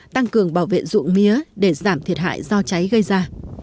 tăng cường bảo vệ ruộng mía để giảm thiệt hại do cháy gây ra